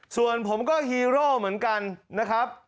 ส่วนผมก็ฮีโร่เหมือนกันนะครับ